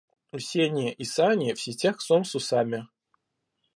У Сени и Сани в сетях сом с усами.